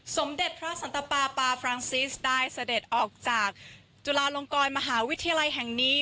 สมเด็จพระสันตปาปาฟรังซิสได้เสด็จออกจากจุฬาลงกรมหาวิทยาลัยแห่งนี้